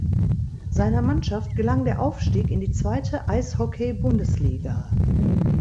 Seiner Mannschaft gelang der Aufstieg in die zweite Eishockeybundesliga.